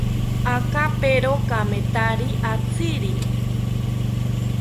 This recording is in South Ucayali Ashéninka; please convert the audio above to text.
Akapero kamethari atziri